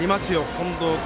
近藤君。